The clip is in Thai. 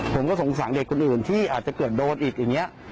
ผมก็สงสารเด็กคนอื่นที่อาจจะเกิดโดนอีกอย่างนี้